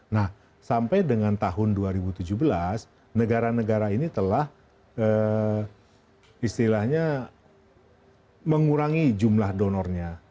nah sampai dengan tahun dua ribu tujuh belas negara negara ini telah istilahnya mengurangi jumlah donornya